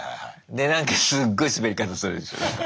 でなんかすっごいスベり方するでしょ。